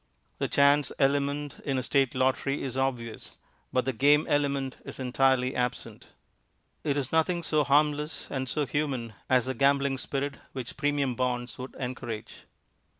The "chance" element in a state lottery is obvious enough, but the "game" element is entirely absent. It is nothing so harmless and so human as the gambling spirit which Premium Bonds would encourage.